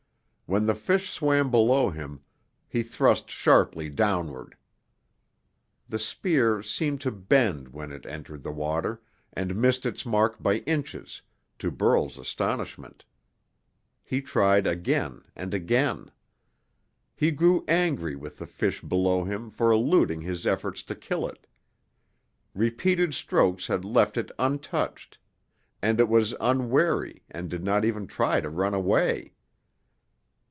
When the fish swam below him, he thrust sharply downward. The spear seemed to bend when it entered the water, and missed its mark by inches, to Burl's astonishment. He tried again and again. He grew angry with the fish below him for eluding his efforts to kill it. Repeated strokes had left it untouched, and it was unwary, and did not even try to run away.